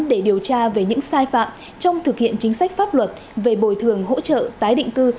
để điều tra về những sai phạm trong thực hiện chính sách pháp luật về bồi thường hỗ trợ tái định cư